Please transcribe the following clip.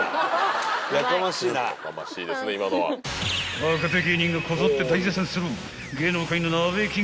［若手芸人がこぞって大絶賛する芸能界の鍋キングＺＡＺＹ］